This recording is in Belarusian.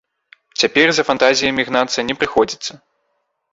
Цяпер за фантазіямі гнацца не прыходзіцца.